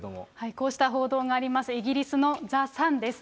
こうした報道があります、イギリスのザ・サンです。